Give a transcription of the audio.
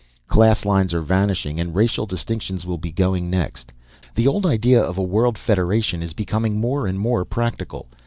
Class lines are vanishing, and racial distinctions will be going next. The old idea of a World Federation is becoming more and more practical.